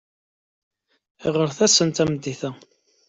Ɣret-asen tameddit-a.